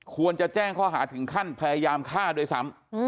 ควรจะแจ้งข้อหาถึงขั้นพยายามฆ่าด้วยซ้ำ